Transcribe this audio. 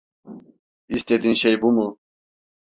İstediğin şey bu mu?